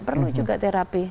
perlu juga terapi